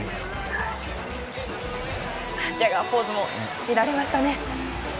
ジャガーポーズも見られましたね。